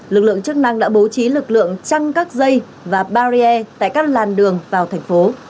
lực lượng chức năng đã bố trí lực lượng chăn các dây và barrier tại các làn đường vào thành phố